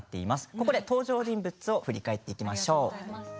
ここで登場人物を振り返っていきましょう。